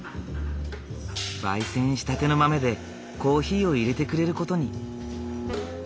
焙煎したての豆でコーヒーをいれてくれる事に。